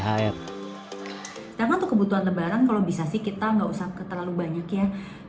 karena untuk kebutuhan lebaran kalau bisa sih kita nggak usah terlalu banyak ya